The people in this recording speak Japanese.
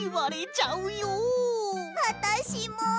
あたしも。